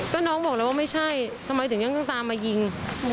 ก็น้องบอกแล้วว่าไม่ใช่ทำไมถึงยังต้องตามมายิง